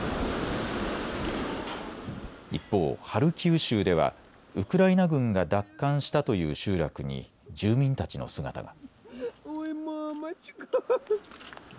一方、ハルキウ州ではウクライナ軍が奪還したという集落に住民たちの姿が。